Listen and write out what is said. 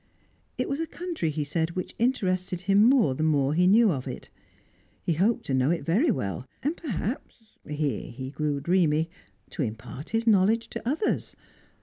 It was a country, he said, which interested him more the more he knew of it. He hoped to know it very well, and perhaps here he grew dreamy to impart his knowledge to others.